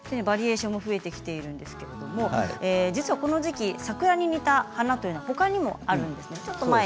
バリエーションも増えてきているんですけれど実はこの時期、桜に似た花というのはほかにもあるんです。